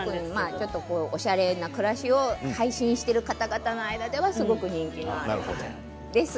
おしゃれな暮らしを配信している方々の間ではすごく人気があります。